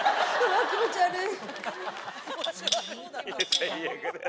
あぁ気持ち悪い！